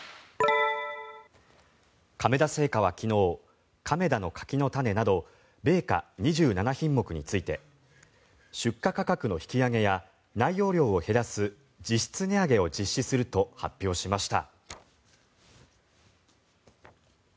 亀田製菓は昨日亀田の柿の種など米菓２７品目について出荷価格の引き上げや内容量を減らす実質値上げを実施すると発表しました。